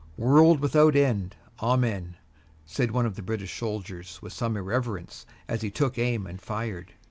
"World without end. Amen," said one of the British soldiers with some irrelevance as he took aim and fired.